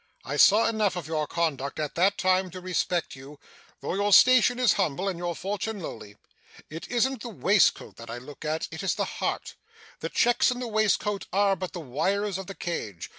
'I saw enough of your conduct, at that time, to respect you, though your station is humble, and your fortune lowly. It isn't the waistcoat that I look at. It is the heart. The checks in the waistcoat are but the wires of the cage.